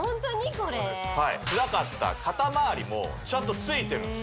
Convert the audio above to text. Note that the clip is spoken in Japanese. これはいつらかった肩まわりもちゃんとついてるんです